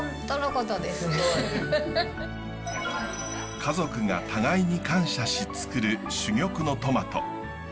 家族が互いに感謝しつくる珠玉のトマト。